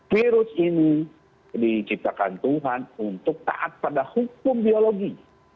virus ini diciptakan tuhan untuk taat pada hukum biologi